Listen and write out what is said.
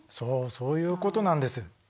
そういうことなんです。